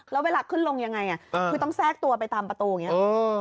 แล้วเวลาขึ้นลงยังไงคือต้องแทรกตัวไปตามประตูอย่างนี้